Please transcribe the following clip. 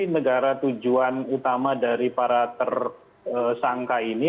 negara tujuan utama dari para tersangka ini